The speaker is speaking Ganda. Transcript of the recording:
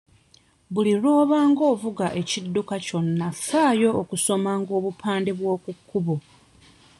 Buli lw'obanga ovuga ekidduka kyonna ffaayo okusomanga obupande bw'okukkubo.